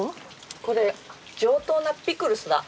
これ上等なピクルスだ。